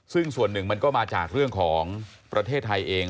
ซึ่งส่วนหนึ่งมันก็มาจากเรื่องของประเทศไทยเอง